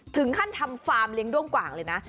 ถึงขั้นทำฟาร์มเลี้ยด้วงกว่างเลยนะ